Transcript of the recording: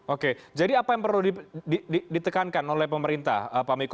oke jadi apa yang perlu ditekankan oleh pemerintah pak miko